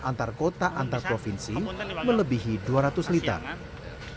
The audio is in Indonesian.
antar kota antar provinsi melebihi dua ratus liter